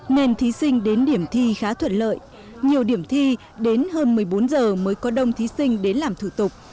nên thí sinh đến điểm thi khá thuận lợi nhiều điểm thi đến hơn một mươi bốn giờ mới có đông thí sinh đến làm thủ tục